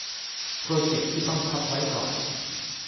โปรเจกต์ที่ต้องพับไว้ก่อน